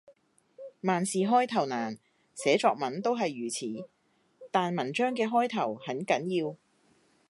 萬事開頭難，寫作文也係如此，但文章嘅開頭很緊要